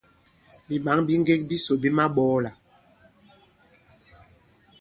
Bìɓǎŋ bi ŋgek bisò bi maɓɔɔlà.